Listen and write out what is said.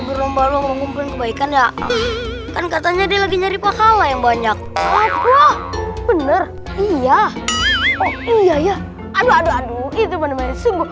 baru baru mengumpul kebaikan ya kan katanya dia lagi nyari pahala yang banyak bener iya